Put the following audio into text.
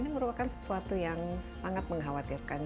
ini merupakan sesuatu yang sangat mengkhawatirkan